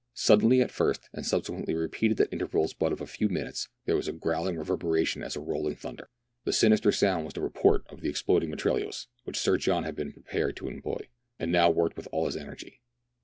Suddenly at first, and subsequently repeated at intervals but of a few minutes, there was a growling reverberation as of rolling thunder. The sinister sound was the report of the exploding mitrailleuse, which Sir John had been prepared to employ, and now worked with all his energy.